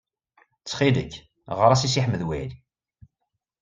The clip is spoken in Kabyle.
Ttxil-k, ɣer-as i Si Ḥmed Waɛli.